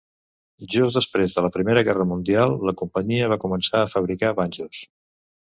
Just després de la Primera Guerra Mundial, la companyia va començar a fabricar banjos.